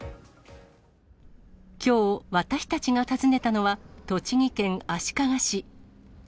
きょう、私たちが訪ねたのは、栃木県足利市。